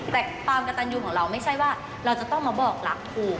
แต่ความกระตันยูของเราไม่ใช่ว่าเราจะต้องมาบอกรักถูก